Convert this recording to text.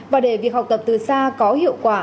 và để việc học tập từ xa có hiệu quả